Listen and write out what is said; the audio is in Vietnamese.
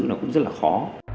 nó cũng rất là khó